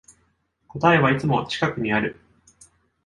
答えはいつも近くにある